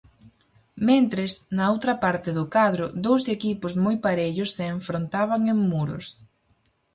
Mentres, na outra parte do cadro, dous equipos moi parellos se enfrontaban en Muros.